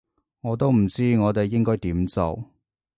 我都唔知我哋應該點做